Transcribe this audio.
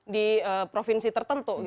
di provinsi tertentu